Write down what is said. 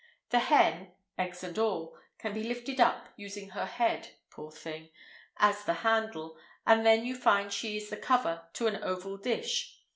The hen (eggs and all) can be lifted up, using her head, poor thing, as the handle, and then you find she is the cover to an oval dish.